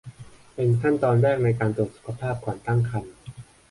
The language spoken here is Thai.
เป็นขั้นตอนแรกในการตรวจสุขภาพก่อนตั้งครรภ์